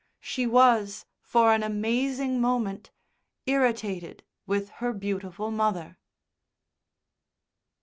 she was, for an amazing moment, irritated with her beautiful mother.